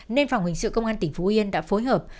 nên phòng hình sự công an tỉnh phú yên đã phối hợp